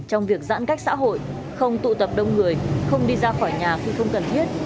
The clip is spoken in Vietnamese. trong việc giãn cách xã hội không tụ tập đông người không đi ra khỏi nhà khi không cần thiết